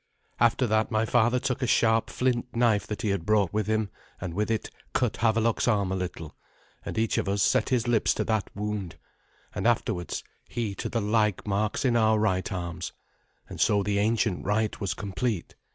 After that my father took a sharp flint knife that he had brought with him, and with it cut Havelok's arm a little, and each of us set his lips to that wound, and afterwards he to the like marks in our right arms, and so the ancient rite was complete.